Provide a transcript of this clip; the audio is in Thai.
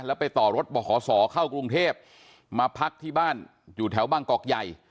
แล้วไปต่อรถบขศเข้ากรุงเทพมาพักที่บ้านอยู่แถวบางกอกใหญ่